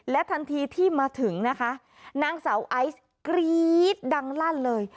ทันทีที่มาถึงนะคะนางสาวไอซ์กรี๊ดดังลั่นเลย